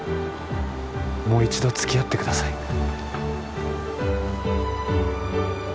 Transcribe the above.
もう一度つきあってください